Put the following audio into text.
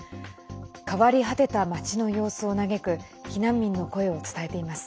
変わり果てた町の様子を嘆く避難民の声を伝えています。